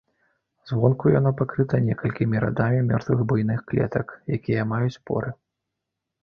Звонку яно пакрыта некалькімі радамі мёртвых буйных клетак, якія маюць поры.